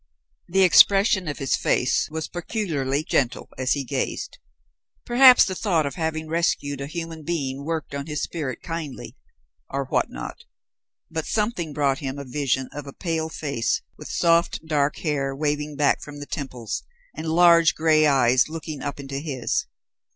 The expression of his face was peculiarly gentle as he gazed. Perhaps the thought of having rescued a human being worked on his spirit kindly, or what not, but something brought him a vision of a pale face with soft, dark hair waving back from the temples, and large gray eyes looking up into his.